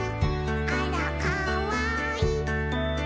「あらかわいい！」